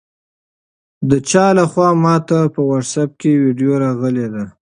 د چا لخوا ماته په واټساپ کې ویډیو راغلې ده؟